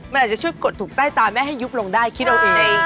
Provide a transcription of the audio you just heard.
มันอาจจะช่วยกดถูกใต้ตาแม่ให้ยุบลงได้คิดเอาเอง